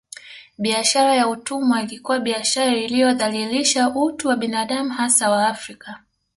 Biashara ya utumwa ilikuwa biashara iliyodhalilisha utu wa binadamu hasa Waafrika